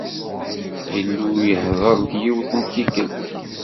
Illu ihder-d yiwet n tikkelt.